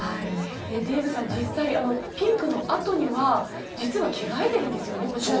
デーブさん、実際ピンクのあとには着替えているんですね。